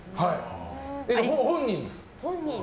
本人です。